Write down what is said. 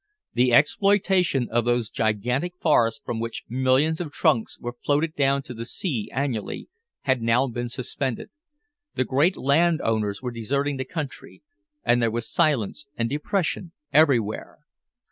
The exploitation of those gigantic forests from which millions of trunks were floated down to the sea annually had now been suspended, the great landowners were deserting the country, and there was silence and depression everywhere.